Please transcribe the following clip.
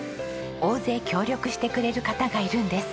大勢協力してくれる方がいるんです。